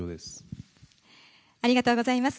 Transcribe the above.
ありがとうございます。